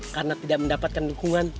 karena tidak mendapatkan dukungan